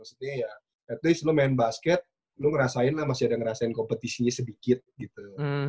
maksudnya ya at least lu main basket lu ngerasain lah masih ada yang ngerasain kompetisinya sedikit gitu